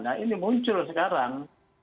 nah ini muncul sekarang